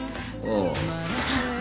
うん。